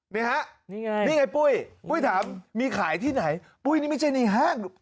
นี่ฮะนี่ไงนี่ไงปุ้ยปุ้ยถามมีขายที่ไหนปุ้ยนี่ไม่ใช่ในห้าง